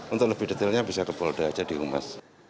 untuk lebih detailnya bisa ke polda aja di humas